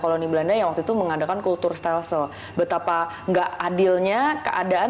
koloni belanda yang waktu itu mengadakan kultur stelsel betapa nggak adilnya keadaan